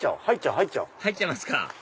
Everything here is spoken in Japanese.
入っちゃいますか